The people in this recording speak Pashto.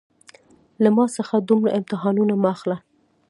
له ما څخه دومره امتحانونه مه اخله